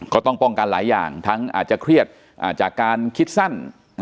ก็ต้องป้องกันหลายอย่างทั้งอาจจะเครียดจากการคิดสั้น